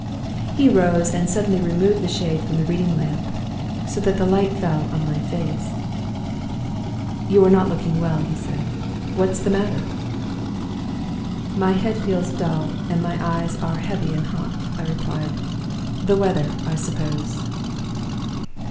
"He rose, and suddenly removed the shade from the reading lamp, so that the light fell on my face. "'You are not looking well,' he said. 'What's the matter?' "'My head feels dull, and my eyes are heavy and hot,' I replied. 'The weather, I suppose.